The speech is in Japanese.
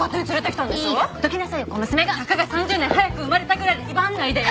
たかが３０年早く生まれたぐらいで威張らないでよ！